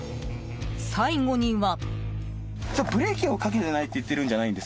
最後には。